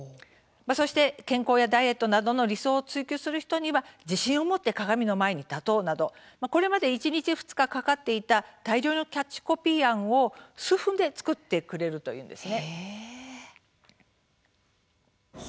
健康やダイエットなどの理想を追求する人には自信を持って鏡の前に立とうなどこれまで１日２日かかっていた大量のキャッチコピー案を数分で作ってくれるといいます。